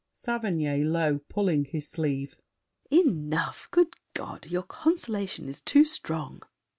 SAVERNY (low, pulling his sleeve). Enough! Good God! Your consolation is Too strong.